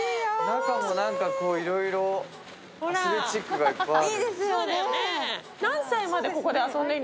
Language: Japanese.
中もいろいろアスレチックがいっぱいある。